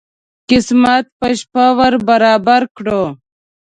قسمت په شپه ور برابر کړو.